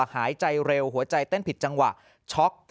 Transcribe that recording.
หายใจเร็วหัวใจเต้นผิดจังหวะช็อก